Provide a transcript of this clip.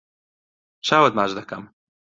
چاوت ماچ دەکەم.